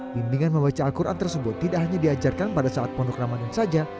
bimbingan membaca al quran tersebut tidak hanya diajarkan pada saat pondok ramadan saja